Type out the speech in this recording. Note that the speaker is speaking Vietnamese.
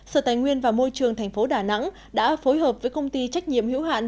sở tài nguyên và môi trường thành phố đà nẵng đã phối hợp với công ty trách nhiệm hữu hạn